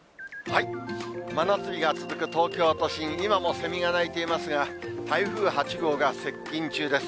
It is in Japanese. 真夏日が続く東京都心、今もセミが鳴いていますが、台風８号が接近中です。